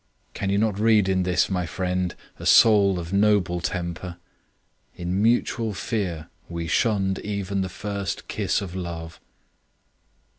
Can you not read in this, my friend, a soul of noble temper? In mutual fear we shunned even the first kiss of love.